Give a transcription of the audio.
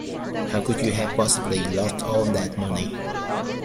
How could you have possibly lost all that money?